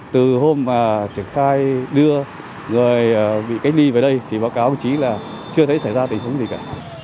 từ hôm mà triển khai đưa rồi bị cách ly về đây thì báo cáo với trí là chưa thấy xảy ra tình huống gì cả